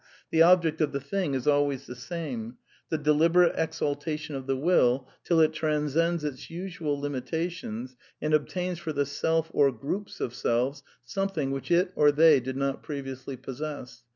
... The object of the thing is always the same : the deliberate exaltation of the will, till it transcends its usual limitations, and obtains for the self or groups of selves something which it or they did not previously possess.